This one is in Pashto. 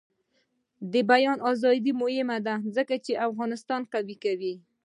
د بیان ازادي مهمه ده ځکه چې افغانستان قوي کوي.